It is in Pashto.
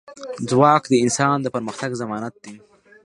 ځواک د انسان د پرمختګ ضمانت دی.